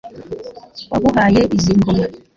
Waguhaye izi ngoma